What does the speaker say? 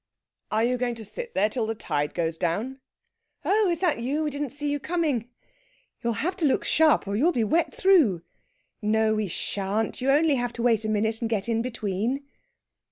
"Are you going to sit there till the tide goes down?" "Oh, is that you? We didn't see you coming." "You'll have to look sharp, or you'll be wet through...." "No, we shan't! You only have to wait a minute and get in between...."